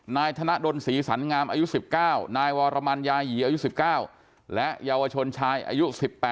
นายธนดลศรีสันงามอายุ๑๙นายวรมันยายีอายุ๑๙